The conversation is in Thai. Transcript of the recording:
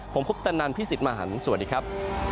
ผมคบตะนันพี่สิทธิ์มหาลสวัสดีครับ